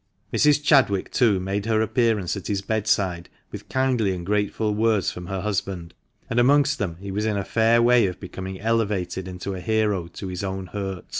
Mrs. Chadwick, too, made her appearance at his bedside, with kindly and grateful words from her husband ; and amongst them he was in a fair way of becoming elevated into a hero to his own hurt.